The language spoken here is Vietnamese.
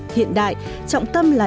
hiện đại trọng tâm là